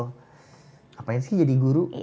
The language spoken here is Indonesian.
ngapain sih jadi guru